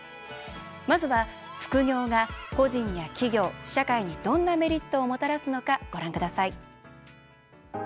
まずは副業が個人や企業、社会にどんなメリットをもたらすのかご覧ください。